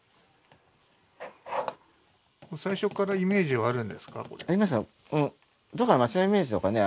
最初からイメージはあるんですか？